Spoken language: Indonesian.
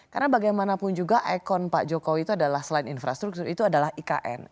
karena bagaimanapun juga ekon pak jokowi itu adalah selain infrastruktur itu adalah ikn